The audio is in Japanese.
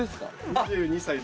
２２歳です。